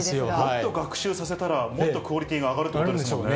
もっと学習させたら、もっとクオリティーが上がるということですもんね。